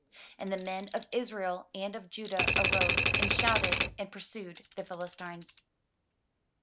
And the men of Israel and of Judah arose, and shouted, and pursued the Philistines.